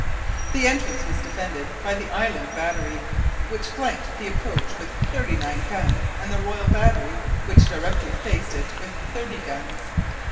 The entrance was defended by the Island Battery, which flanked the approach with thirty nine guns, and the Royal Battery, which directly faced it with thirty guns.